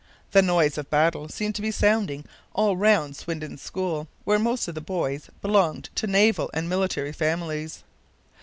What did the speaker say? The noise of battle seemed to be sounding all round Swinden's school, where most of the boys belonged to naval and military families.